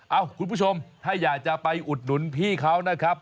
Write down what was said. คุณผู้ชมถ้าอยากจะไปอุดหนุนพี่เขานะครับ